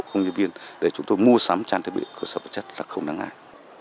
những nhân viên để chúng tôi mua sắm tràn thể biệt cơ sở vật chất là không đáng ngại